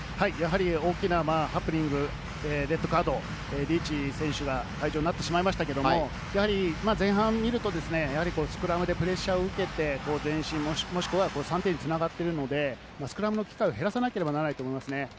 大きなハプニング、レッドカード、リーチ選手が退場になってしまいましたけれど、前半を見ると、スクラムでプレッシャーを受けて、前進、もしくは３点に繋がっているので、スクラムの機会を減らさなければならないと思います。